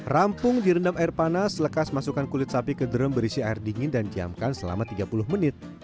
rampung direndam air panas lekas masukkan kulit sapi ke drem berisi air dingin dan diamkan selama tiga puluh menit